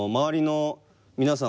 皆さん。